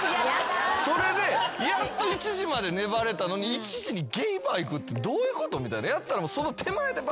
それでやっと１時まで粘れたのに１時にゲイバー行くってどういうこと？みたいな。